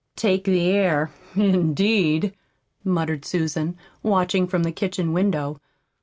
"Take the air, indeed!" muttered Susan, watching from the kitchen window.